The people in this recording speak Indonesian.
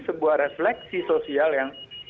sebuah refleksi sosial yang